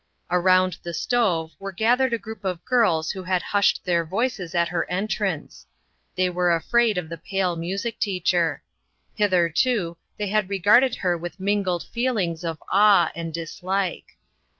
Around the stove were gathered a group of girls who had hushed their voices at her entrance. They were afraid of the pale music teacher. Hitherto they had regarded her with mingled feelings of awe and dis like.